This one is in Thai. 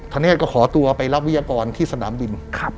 ธเนธก็ขอตัวไปรับวิทยากรที่สนามบิน